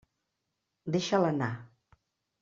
Deixa-la anar.